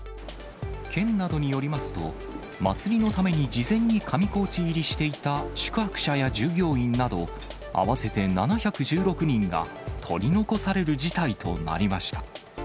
県などによりますと、祭りのために事前に上高地入りしていた宿泊者や従業員など、合わせて７１６人が、取り残される事態となりました。